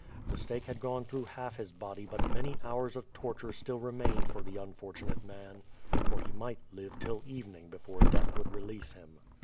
The stake had gone through half his body but many hours of torture still re mained for the unfortunate man; for he might live till even ing before death would release him.